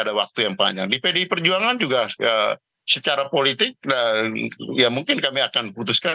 ada waktu yang panjang di pdi perjuangan juga secara politik ya mungkin kami akan putuskan